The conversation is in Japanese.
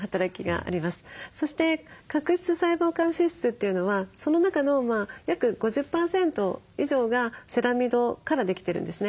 そして角質細胞間脂質というのはその中の約５０％以上がセラミドからできてるんですね。